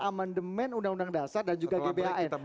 amandemen undang undang dasar dan juga gbhn